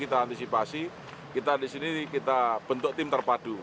kita mengantisipasi kita disini kita bentuk tim terpadu